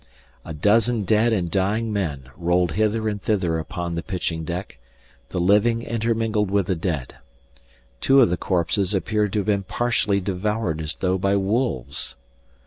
A dozen dead and dying men rolled hither and thither upon the pitching deck, the living intermingled with the dead. Two of the corpses appeared to have been partially devoured as though by wolves.